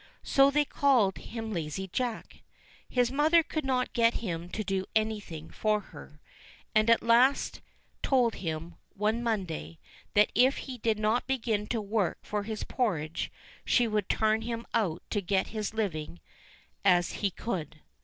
So they called him Lazy Jack. His mother could not get him to do any thing for her, and at last told him, one Monday, that if he did not begin to work for his porridge she would turn him out to get his living as he could.